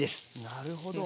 なるほど。